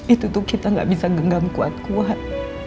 itu tuh kita gak bisa genggam kuat kuat